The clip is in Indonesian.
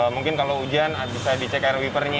mungkin kalau hujan bisa dicek air wipernya